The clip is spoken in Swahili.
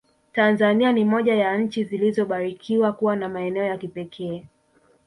Tanzania ni moja ya nchi zilizobarikiwa kuwa na maeneo ya kipekee